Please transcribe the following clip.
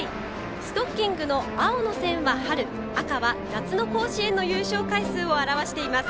ストッキングの青の線は春赤は夏の甲子園の優勝回数を表しています。